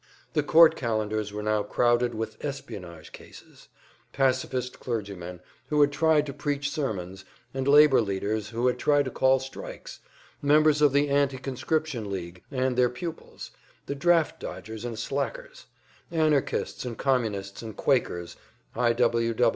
The court calendars were now crowded with "espionage" cases; pacifist clergymen who had tried to preach sermons, and labor leaders who had tried to call strikes; members of the Anti conscription League and their pupils, the draft dodgers and slackers; Anarchists and Communists and Quakers, I.